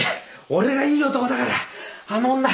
俺がいい男だからあの女